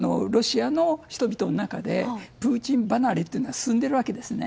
今、ロシアの人々の中でプーチン離れというのが進んでいるわけですね。